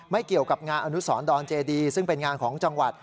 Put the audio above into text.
เกี่ยวกับงานอนุสรดอนเจดีซึ่งเป็นงานของจังหวัด